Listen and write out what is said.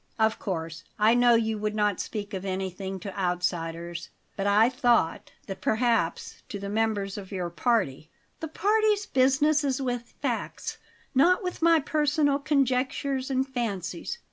"Of course I know you would not speak of anything to outsiders; but I thought that perhaps, to the members of your party " "The party's business is with facts, not with my personal conjectures and fancies.